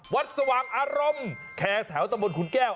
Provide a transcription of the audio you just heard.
สว่างอารมณ์แคร์แถวตะบนขุนแก้ว